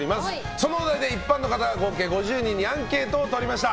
そのお題で一般の方合計５０人にアンケートをとりました。